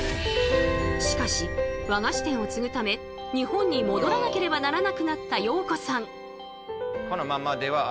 しかし和菓子店を継ぐため日本に戻らなければならなくなった洋子さん。